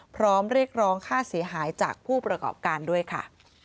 พร้อมเรียกร้องค่าเสียหายจากผู้ประกอบการด้วยค่ะ